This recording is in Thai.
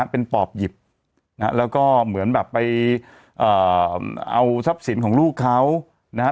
เป็นปอบหยิบนะฮะแล้วก็เหมือนแบบไปเอ่อเอาทรัพย์สินของลูกเขานะฮะ